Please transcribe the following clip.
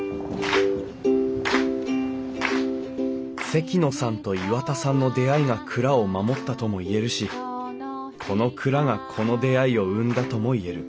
関野さんと岩田さんの出会いが蔵を守ったとも言えるしこの蔵がこの出会いを生んだとも言える。